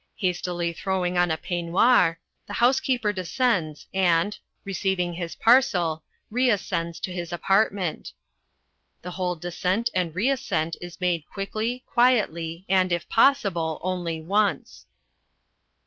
Hastily throwing on a peignoir, the housekeeper descends and, receiving his parcel, reascends to his apartment. The whole descent and reascent is made quickly, quietly, and, if possible, only once.